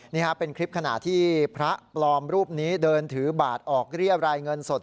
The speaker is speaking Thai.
นี่ครับเป็นคลิปขณะที่พระปลอมรูปนี้เดินถือบาทออกเรียบรายเงินสด